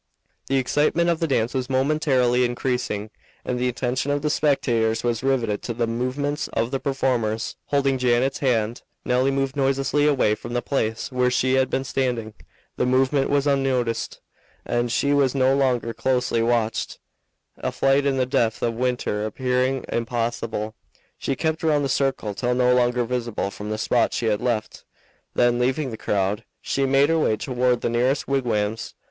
The excitement of the dance was momentarily increasing, and the attention of the spectators was riveted to the movements of the performers. Holding Janet's hand, Nelly moved noiselessly away from the place where she had been standing. The movement was unnoticed, as she was no longer closely watched, a flight in the depth of winter appearing impossible. She kept round the circle till no longer visible from the spot she had left. Then, leaving the crowd, she made her way toward the nearest wigwams.